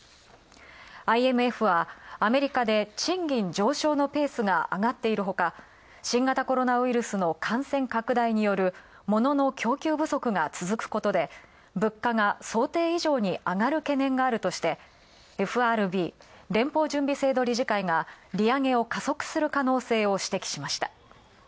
ＩＭＦはアメリカで、賃金上昇のペースが上がっているほか新型コロナウイルスの感染拡大によるものの供給不足が続くことで、物価が想定以上にあがる懸念があるとしてＦＲＢ＝アメリカ連邦準備制度理事会が利上げを加速する可能性を指摘しました。